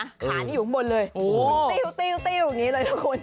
ขานี้อยู่ข้างบนเลยติวอยู่อย่างนี้เลยทุกคน